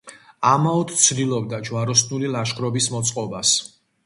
ამაოდ ცდილობდა ჯვაროსნული ლაშქრობის მოწყობას.